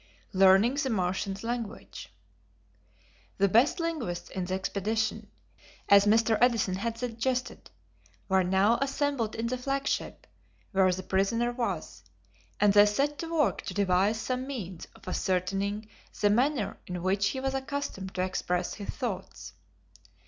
Learning the Martians' Language. The best linguists in the expedition, as Mr. Edison had suggested, were now assembled in the flagship, where the prisoner was, and they set to work to devise some means of ascertaining the manner in which he was accustomed to express his thoughts.